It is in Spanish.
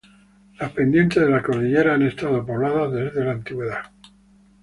Las pendientes de la cordillera han estado pobladas desde la antigüedad.